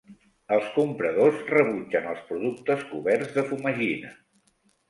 Els compradors rebutgen els productes coberts de fumagina.